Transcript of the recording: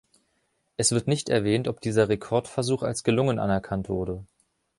Es wird nicht erwähnt, ob dieser Rekordversuch als gelungen anerkannt wurde.